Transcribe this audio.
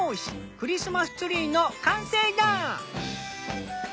クリスマスツリーの完成だ。